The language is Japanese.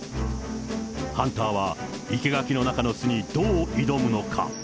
ハンターは生け垣の中の巣にどう挑むのか。